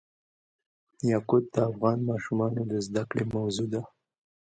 یاقوت د افغان ماشومانو د زده کړې موضوع ده.